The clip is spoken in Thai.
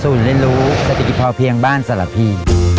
ที่นี่เป็นศูนย์เล่นรู้สถิกภาพเพียงบ้านสระพี